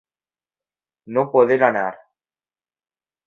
No poder anar.